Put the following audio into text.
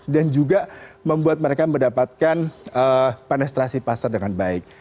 dan juga membuat mereka mendapatkan penetrasi pasar dengan baik